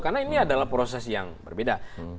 karena ini adalah proses yang berbeda